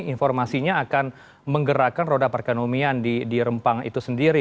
informasinya akan menggerakkan roda perekonomian di rempang itu sendiri